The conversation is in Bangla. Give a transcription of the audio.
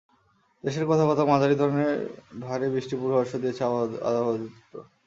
দেশের কোথাও কোথাও মাঝারি ধরনের ভারী বৃষ্টির পূর্বাভাসও দিয়েছে আবহাওয়া অধিদপ্তর।